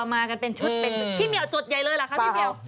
มากันเป็นชุดพี่เมียวจดใยเลยล่ะค่ะพี่เมียว